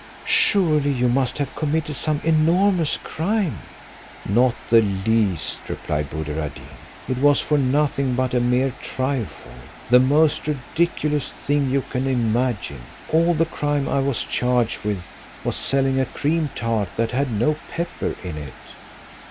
Surely you must have committed some enormous crime." "Not the least," replied Buddir ad Deen; "it was for nothing but a mere trifle, the most ridiculous thing you can imagine. All the crime I was charged with, was selling a cream tart that had no pepper in it."